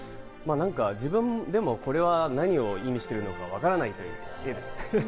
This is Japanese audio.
自分でもこれは何を意味しているのかわからないという感じですね。